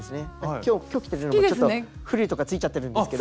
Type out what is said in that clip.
今日今日来てるのもちょっとフリルとかついちゃってるんですけど。